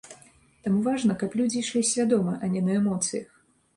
Таму важна, каб людзі ішлі свядома, а не на эмоцыях.